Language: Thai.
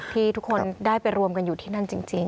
ที่ทุกคนได้ไปรวมกันอยู่ที่นั่นจริง